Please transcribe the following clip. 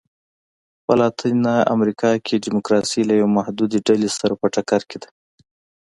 په لاتینه امریکا کې ډیموکراسي له یوې محدودې ډلې سره په ټکر کې ده.